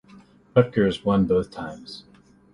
Rutgers won both times.